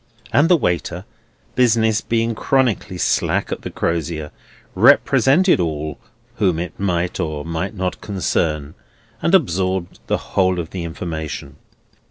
And the waiter (business being chronically slack at the Crozier) represented all whom it might or might not concern, and absorbed the whole of the information.